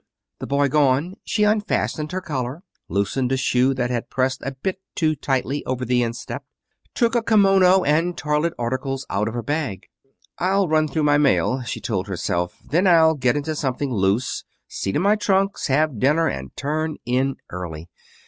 The boy gone, she unfastened her collar, loosened a shoe that had pressed a bit too tightly over the instep, took a kimono and toilette articles out of her bag. "I'll run through my mail," she told herself. "Then I'll get into something loose, see to my trunks, have dinner, and turn in early.